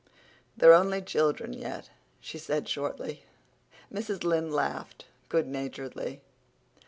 "They're only children yet," she said shortly. Mrs. Lynde laughed good naturedly.